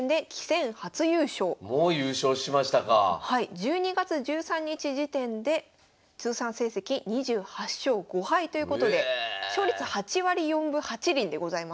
１２月１３日時点で通算成績２８勝５敗ということで勝率８割４分８厘でございます。